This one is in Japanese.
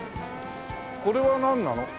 これはなんなの？